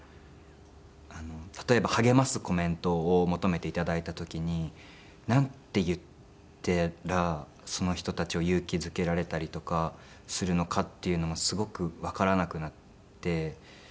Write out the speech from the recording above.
例えば励ますコメントを求めて頂いた時になんて言ったらその人たちを勇気づけられたりとかするのかっていうのもすごくわからなくなって。